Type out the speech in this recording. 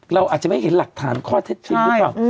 เราอาจจะไม่เห็นหลักฐานข้อเท็จจริงหรือเปล่า